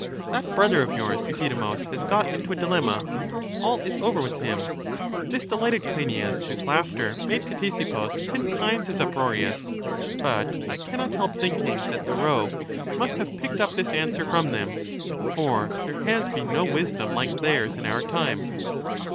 That brother of yours, Euthydemus, has got into a dilemma ; all is over with him. This delighted Cleinias, whose laughter made Ctesippus ten times as uproarious ; but I can not help thinking that the rogue must have picked up this answer from them ; for there has been no wisdom like theirs in our time.